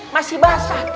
masih basah tuh